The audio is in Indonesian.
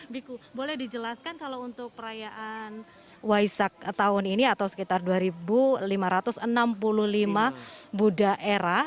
biku boleh dijelaskan kalau untuk perayaan waisak tahun ini atau sekitar dua lima ratus enam puluh lima buddha era